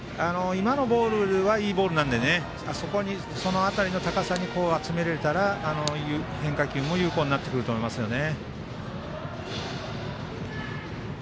今のボールはいいボールなのでその辺りの高さに集められたら変化球も有効になってくると思いますよね。